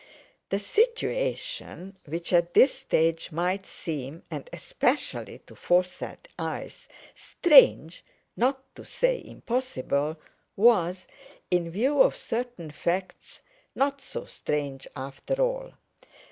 The situation which at this stage might seem, and especially to Forsyte eyes, strange—not to say "impossible"—was, in view of certain facts, not so strange after all.